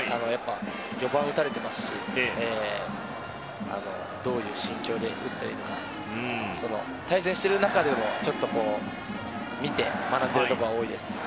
４番を打たれていますしどういう心境で打ったらいいのか対戦している中でも見て、学んでいるところは多いです。